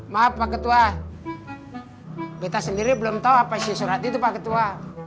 maaf pak ketua beta sendiri belum tau apa sih surat itu pak ketua